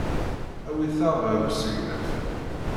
Awit-aɣ ɣer usegnaf.